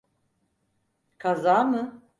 Kaza mı?